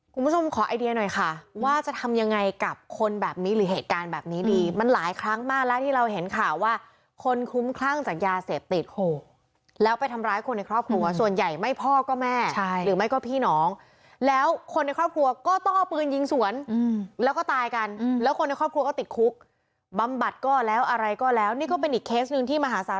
คุณผู้ชมขอไอเดียหน่อยค่ะว่าจะทำยังไงกับคนแบบนี้หรือเหตุการณ์แบบนี้ดีมันหลายครั้งมากแล้วที่เราเห็นข่าวว่าคนคลุ้มคลั่งจากยาเสพติดโหแล้วไปทำร้ายคนในครอบครัวส่วนใหญ่ไม่พ่อก็แม่ใช่หรือไม่ก็พี่น้องแล้วคนในครอบครัวก็ต้องเอาปืนยิงสวนแล้วก็ตายกันแล้วคนในครอบครัวก็ติดคุกบำบัดก็แล้วอะไรก็แล้วนี่ก็เป็นอีกเคสหนึ่งที่มหาศ